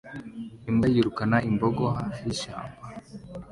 Imbwa yirukana impongo hafi yishyamba